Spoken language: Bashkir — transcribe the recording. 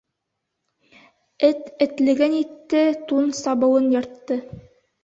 Эт этлеген итте, тун сабыуын йыртты.